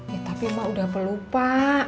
ya tapi ma udah apa lupa